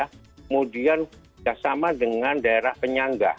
kemudian kerjasama dengan daerah penyangga